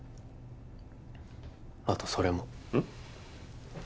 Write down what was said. あとそれもうん？